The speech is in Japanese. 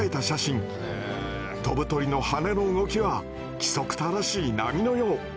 飛ぶ鳥の羽の動きは規則正しい波のよう。